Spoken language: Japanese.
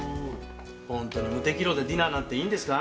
本当に霧笛楼でディナーなんていいんですか？